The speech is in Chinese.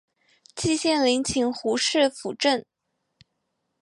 季羡林请胡适斧正。